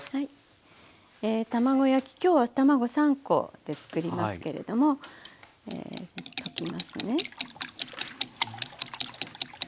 今日は卵３コで作りますけれども溶きますね。